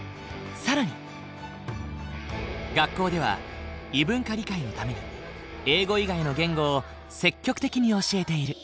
更に学校では異文化理解のために英語以外の言語を積極的に教えている。